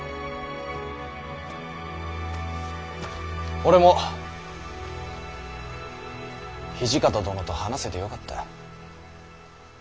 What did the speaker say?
俺も土方殿と話せてよかった。